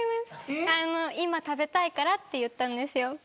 今、食べたいからって言ったんですよ。